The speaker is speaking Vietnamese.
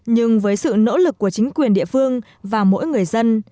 nhưng với sự nỗ lực của chính quyền địa phương và mỗi người dân